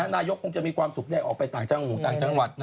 นายกคงจะมีความสุขได้ออกไปต่างจังหวัดต่างจังหวัด